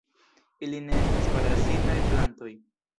Ili ne estas parazitaj plantoj.